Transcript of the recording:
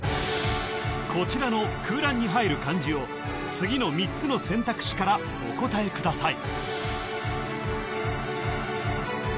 こちらの空欄に入る漢字を次の３つの選択肢からお答えください